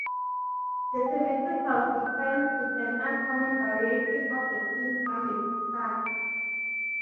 The Symmetrical Defense is an uncommon variation of the Queen's Gambit Declined.